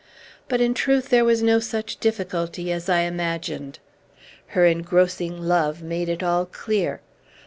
But, in truth, there was no such difficulty as I imagined. Her engrossing love made it all clear.